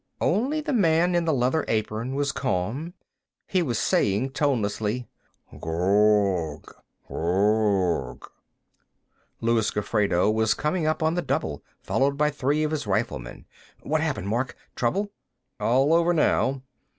Only the man in the leather apron was calm; he was saying, tonelessly, "Ghrooogh ghrooogh." Luis Gofredo was coming up on the double, followed by three of his riflemen. "What happened, Mark? Trouble?" "All over now."